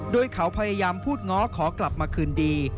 โดยเขาพยายามพูดง้อขอกลับมาคืนดี